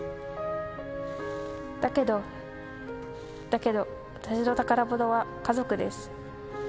だけどだけど、私の宝物は家族です。